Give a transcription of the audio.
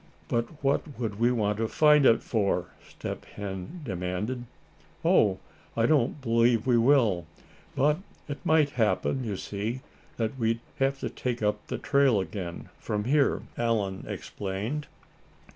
"But what would we want to find it for?" Step Hen demanded. "Oh! I don't believe we will; but it might happen, you see, that we'd have to take up the trail again from here," Allan explained.